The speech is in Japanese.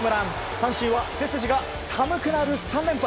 阪神は背筋が寒くなる３連敗。